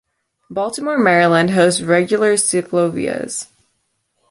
Baltimore, Maryland hosts regular Ciclovias.